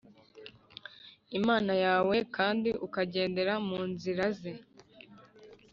Imana yawe kandi ukagendera mu nzira ze